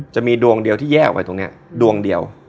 จะมีดวงเดียวที่แยกออกไปตรงนี้ดวงเดียว